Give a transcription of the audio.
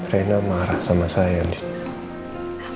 rena marah sama saya